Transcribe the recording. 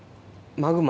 マグマ。